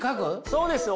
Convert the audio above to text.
そうです。